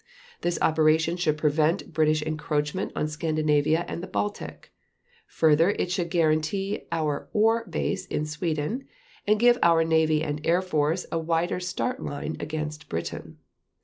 This operation should prevent British encroachment on Scandinavia and the Baltic; further, it should guarantee our ore base in Sweden and give our Navy and Air Force a wider start line against Britain